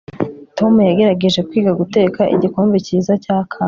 tom yagerageje kwiga guteka igikombe cyiza cya kawa